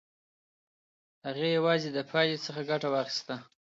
هغې یوازې د پایلې څخه ګټه واخیسته.